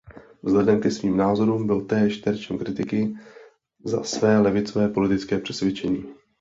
Vzhledem ke svým názorům byl též terčem kritiky za své levicové politické přesvědčení.